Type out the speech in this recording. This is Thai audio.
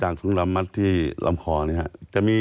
ถุงดำมัดที่ลำคอเนี่ยครับ